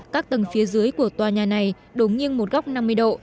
các tầng phía dưới của tòa nhà này đống nghiêng một góc năm mươi độ